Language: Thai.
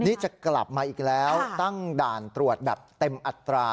นี่จะกลับมาอีกแล้วตั้งด่านตรวจแบบเต็มอัตรา